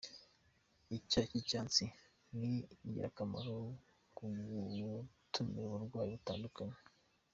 Icyayi cy’icyatsi ni ingirakamoro mu gukumira uburwayi butandukanye